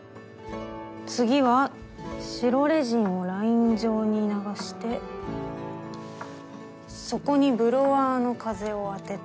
次は白レジンをライン状に流してそこにブロワーの風を当てて。